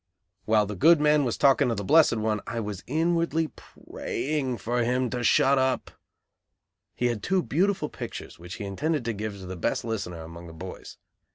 While the good man was talking of the Blessed One I was inwardly praying for him to shut up. He had two beautiful pictures which he intended to give to the best listener among the boys.